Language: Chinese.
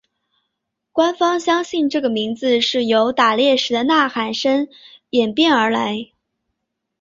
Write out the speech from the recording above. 官方相信这个名字是由打猎时的呐喊声演变而来。